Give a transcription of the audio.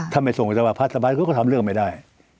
ถ้าไม่ส่งไปสภาพัฒน์สภาพัฒน์ก็ทำเลือกไม่ได้